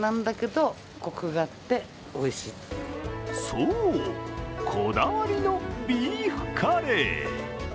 そう、こだわりのビーフカレー。